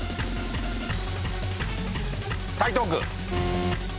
台東区。